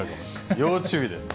要注意です。